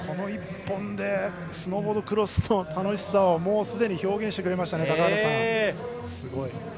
この１本でスノーボードクロスの楽しさをもうすでに表現してくれましたね